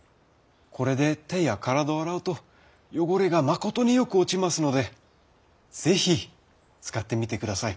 これで手や体を洗うと汚れがまことによく落ちますのでぜひ使ってみて下さい。